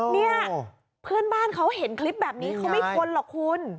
เนี่ยเพื่อนบ้านเขาเห็นคลิปแบบนี้เขาไม่ทนหรอกคุณ